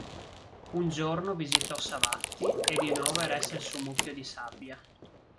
Un giorno visitò Savatthi e di nuovo eresse il suo mucchio di sabbia.